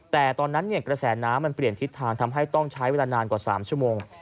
แต่ตอนนั้นกระแสน้ำมันเปลี่ยนทิศทางทำให้ต้องใช้เวลานานกว่า๓ชั่วโมง